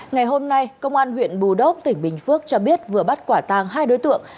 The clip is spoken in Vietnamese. ngày hôm nay công an huyện bù đốc tỉnh bình phước cho biết vừa bắt quả tàng hai đối tượng